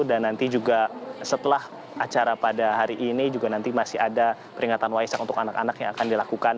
dan nanti juga setelah acara pada hari ini juga nanti masih ada peringatan waisak untuk anak anak yang akan dilakukan